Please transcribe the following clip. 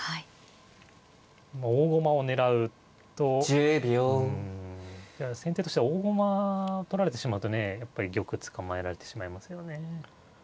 まあ大駒を狙うとうん先手としては大駒を取られてしまうとねやっぱり玉捕まえられてしまいますよね。